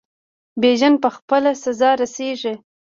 بیژن په خپله سزا رسیږي.